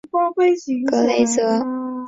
格雷泽。